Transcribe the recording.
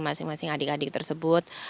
masing masing adik adik tersebut